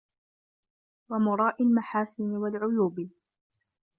وَمُرَائِي الْمَحَاسِنِ وَالْعُيُوبِ